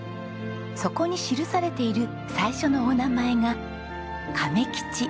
そこに記されている最初のお名前が「亀吉」。